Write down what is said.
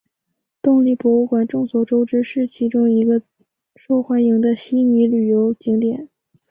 动力博物馆众所周知是其中一个受欢迎的悉尼旅游景点。